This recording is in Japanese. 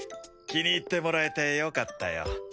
気に入ってもらえてよかったよ。